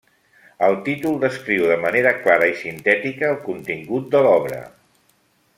El títol descriu de manera clara i sintètica el contingut de l'obra.